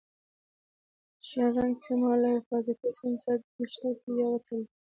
ژیړ رنګ سیمان له حفاظتي سیم سره نښتي یا وصل دي.